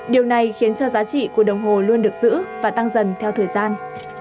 điều này khiến cho giá trị của đồng hồ luôn được giữ và tăng dần theo thời gian